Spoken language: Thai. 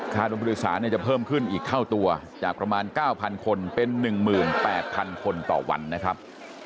โดนผู้โดยสารจะเพิ่มขึ้นอีกเท่าตัวจากประมาณ๙๐๐คนเป็น๑๘๐๐๐คนต่อวันนะครับ